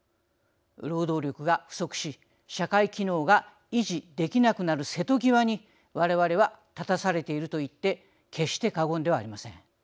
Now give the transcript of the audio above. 労働力が不足し社会機能が維持できなくなる瀬戸際に我々は立たされていると言って決して過言ではありません。